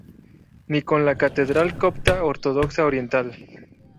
Ni con la catedral copta ortodoxa oriental.